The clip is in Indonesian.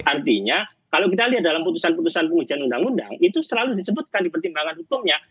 artinya kalau kita lihat dalam putusan putusan pengujian undang undang itu selalu disebutkan di pertimbangan hukumnya